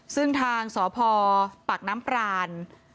ซึ่งทางสพปากน้ำปราน